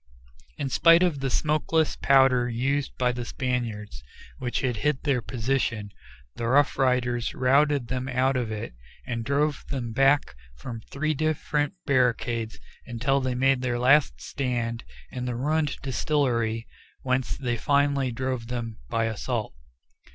In spite of the smokeless powder used by the Spaniards, which hid their position, the Rough Riders routed them out of it, and drove them back from three different barricades until they made their last stand in the ruined distillery, whence they finally drove them by assault.